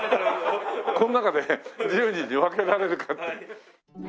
この中で１０人に分けられるかって。